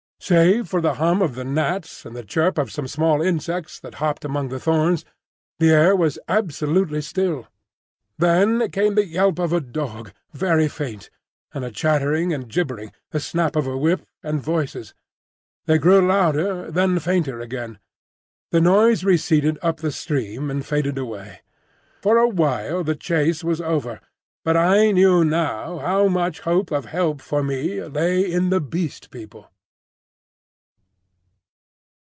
Save for the hum of the gnats and the chirp of some small insects that hopped among the thorns, the air was absolutely still. Then came the yelp of a dog, very faint, and a chattering and gibbering, the snap of a whip, and voices. They grew louder, then fainter again. The noise receded up the stream and faded away. For a while the chase was over; but I knew now how much hope of help for me lay in the Beast People.